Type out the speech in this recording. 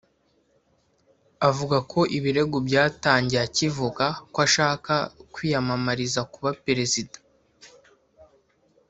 avuga ko ibirego byatangiye akivuga ko ashaka kwiyamamariza kuba Perezida